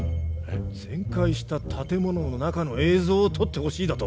全壊した建物の中の映像を撮ってほしいだと？